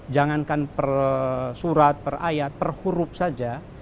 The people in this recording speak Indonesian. jangankan per surat per ayat per huruf saja